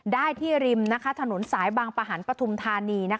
ได้ที่ริมถนนสายบางประหันปฐุมธานี